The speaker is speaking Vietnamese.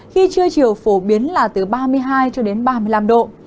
khi trưa chiều phổ biến là từ ba mươi hai cho đến ba mươi năm độ